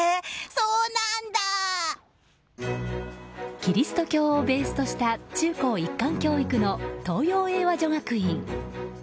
キリスト教をベースとした中高一貫教育の東洋英和女学院。